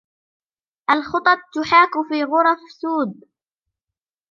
الخطط تحاك في غرف سود